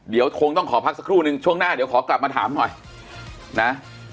เดี๋ยวคงต้องขอพักสักครู่นึงช่วงหน้าเดี๋ยวขอกลับมาถามหน่อยนะ